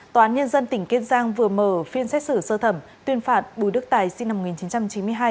tòa án nhân dân tỉnh kiên giang vừa mở phiên xét xử sơ thẩm tuyên phạt bùi đức tài sinh năm một nghìn chín trăm chín mươi hai